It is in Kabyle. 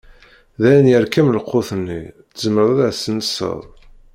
Dayen yerkem lqut-nni, tzemreḍ ad as-tessenseḍ.